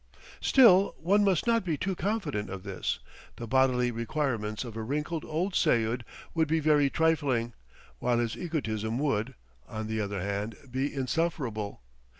Still, one must not be too confident of this; the bodily requirements of a wrinkled old seyud would be very trifling, while his egotism would, on the other hand, be insufferable.